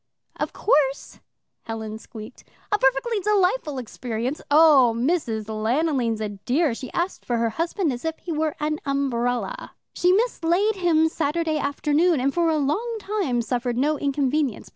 "Of course," Helen squeaked. "A perfectly delightful experience. Oh, Mrs. Lanoline's a dear she asked for a husband as if he was an umbrella. She mislaid him Saturday afternoon and for a long time suffered no inconvenience.